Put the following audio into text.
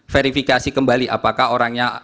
verifikasi kembali apakah orangnya